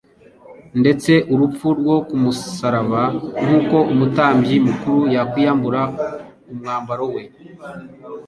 ndetse urupfu rwo ku musaraba" Nk'uko umutambyi mukuru yakwiyambura umwambaro we